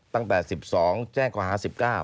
ตั้งแต่๑๒แจ้งข้อหา๑๙